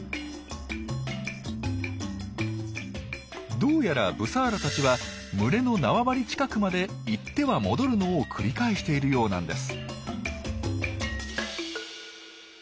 どうやらブサーラたちは群れの縄張り近くまで行っては戻るのを繰り返しているようなんです。